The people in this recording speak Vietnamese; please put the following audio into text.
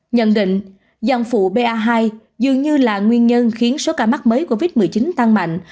nhận định dòng phụ ba hai dường như là nguyên nhân khiến số ca mắc mới covid một mươi chín tăng mạnh